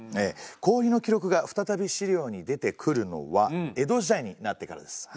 氷の記録が再び資料に出てくるのは江戸時代になってからです。